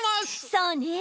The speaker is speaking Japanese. そうね！